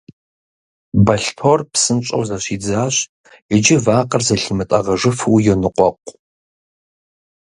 Бэлътор псынщӀэу зыщидзащ, иджы вакъэр зылъимытӀэгъэжыфу йоныкъуэкъу.